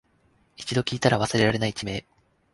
一度聞いたら忘れられない地名